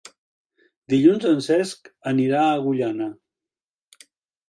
Dilluns en Cesc anirà a Agullana.